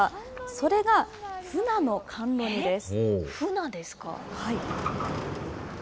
それが、ふなの甘露煮です。